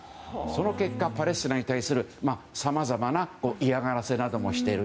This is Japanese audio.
その結果、パレスチナに対するさまざまな嫌がらせなどもしている。